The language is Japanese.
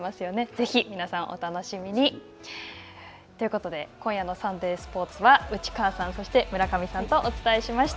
ぜひ皆さん、お楽しみに。ということで、今夜のサンデースポーツは内川さん、そして村上さんとお伝えしました。